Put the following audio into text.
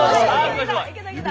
いけたいけた。